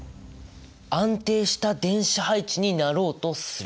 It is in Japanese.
安定した電子配置になろうとする！